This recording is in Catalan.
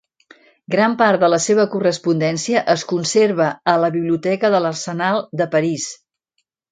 Gran part de la seva correspondència es conserva a la biblioteca de l'Arsenal de París.